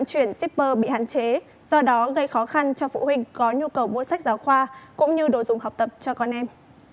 vận chuyển shipper bị hạn chế do đó gây khó khăn cho phụ huynh có nhu cầu mua sách giáo khoa cũng như đồ dùng học tập cho con em